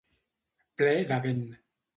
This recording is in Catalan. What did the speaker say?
Ple de vent.